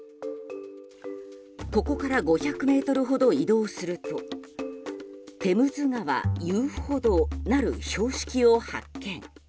ここから５００ｍほど移動するとテムズ川遊歩道なる標識を発見。